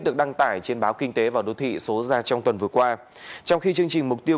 được đăng tải trên báo kinh tế và đô thị số ra trong tuần vừa qua trong khi chương trình mục tiêu